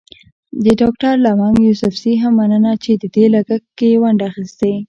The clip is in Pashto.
د ډاکټر لونګ يوسفزي هم مننه چې د دې لګښت کې يې ونډه اخيستې.